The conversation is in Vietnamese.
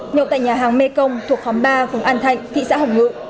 nhậu tại nhà hàng mê công thuộc khóm ba phường an thạnh thị xã hồng ngự